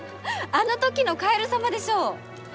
あの時のカエル様でしょ？